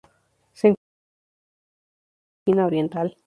Se encuentra entre el Japón y Mar de China Oriental.